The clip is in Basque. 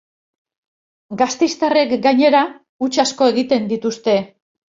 Gasteiztarrek, gainera, huts asko egin dituzte.